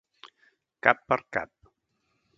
Cap per cap.